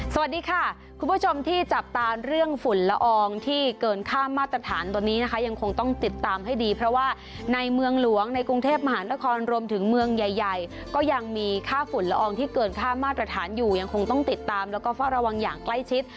สวัสดีค่ะคุณผู้ชมที่จับตาเรื่องฝุ่นละอองที่เกินค่ามาตรฐานตอนนี้นะคะยังคงต้องติดตามให้ดีเพราะว่าในเมืองหลวงในกรุงเทพมหานครรวมถึงเมืองใหญ่ก็ยังมีค่าฝุ่นละอองที่เกินค่ามาตรฐานอยู่ยังคงต้องติดตามแล้วก็เฝ้าระวังอย่างใกล้ชิด